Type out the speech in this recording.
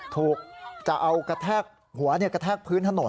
ถูกจะเอากระทากหัวกระทากพื้นถนน